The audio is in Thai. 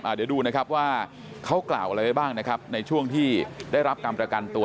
เดี๋ยวดูนะครับว่าเขากล่าวอะไรไว้บ้างนะครับในช่วงที่ได้รับการประกันตัว